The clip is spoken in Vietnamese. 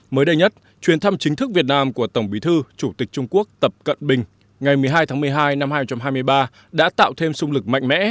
mới đây nhất chuyến thăm chính thức việt nam của tổng bí thư chủ tịch trung quốc tập cận bình ngày một mươi hai tháng một mươi hai năm hai nghìn hai mươi ba đã tạo thêm sung lực mạnh mẽ